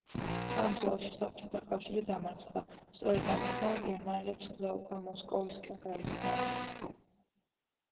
ამ ბრძოლაში საბჭოთა კავშირი დამარცხდა, სწორედ ამის გამო გერმანელებს გზა უკვე მოსკოვისკენ გაეხსნათ.